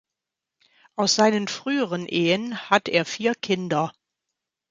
Aus seinen früheren Ehen hat er vier Kinder.